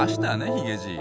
ヒゲじい。